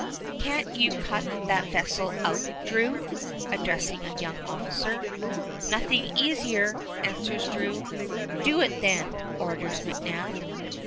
Can't you cut that vessel out, Drew?" addressing a young officer. "Nothing easier," answers Drew. "Do it, then," orders McNab.